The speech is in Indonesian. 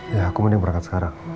ya aku mending berangkat sekarang